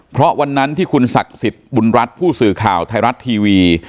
เพราะวันนั้นที่คุณศักดิ์สิทธิ์บุญรัฐผู้สื่อข่าวไทยรัฐทีวี